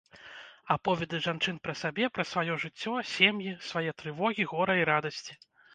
Аповеды жанчын пра сабе, пра сваё жыццё, сем'і, свае трывогі, гора і радасці.